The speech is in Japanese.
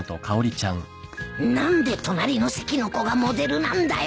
何で隣の席の子がモデルなんだよ